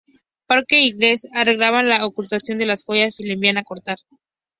Parker y Leslie arreglan la ocultación de las joyas y la envían a cortar.